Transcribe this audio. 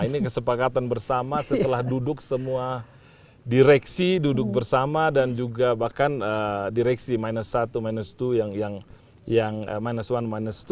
ini kesepakatan bersama setelah duduk semua direksi duduk bersama dan juga bahkan direksi minus satu minus dua yang minus satu minus dua